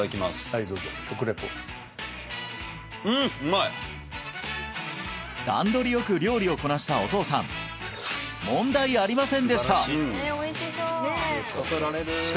はいどうぞ食レポうんうまい段取りよく料理をこなしたお父さん問題ありませんでした